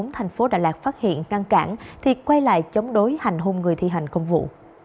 tp hcm phát hiện ngăn cản thì quay lại chống đối hành hung người thi hành công vụ